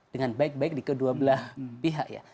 dengan baik baik di kedua belah pihak ya